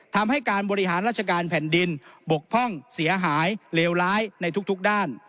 ทำให้การบริหารราชการแผ่นดินบกพร่องเสียหายเลวร้ายในทุกด้าน